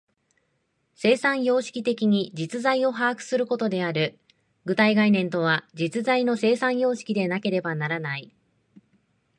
生産様式的に実在を把握することである。具体概念とは、実在の生産様式でなければならない。